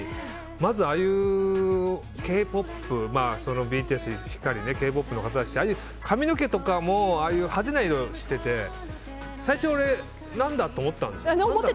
まず、ああいうＫ‐ＰＯＰＢＴＳしかりＫ‐ＰＯＰの方たちって髪の毛とかもああいう派手な色してて最初、俺何だ？と思ったんですよ。